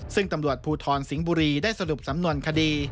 ซึ่งตำรวจภูทรสิงห์บุรีได้สรุปสำนวนคดี